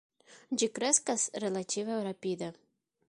Ĝi kreskas relative rapide.